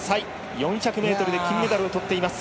４００ｍで金メダルを取っています。